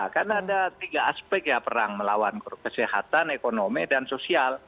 kan ada tiga aspek ya perang melawan kesehatan ekonomi dan sosial